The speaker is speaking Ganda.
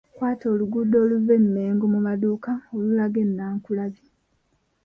Kwata oluguudo oluva e Mmengo mu maduuka olulaga e Naakulabye.